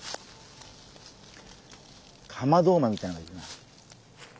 カマドウマみたいのがいるな。